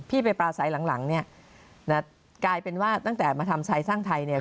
พี่ไปปลาไซล์หลังเนี่ยกลายเป็นว่าตั้งแต่มาทำไซล์สร้างไทยเนี่ย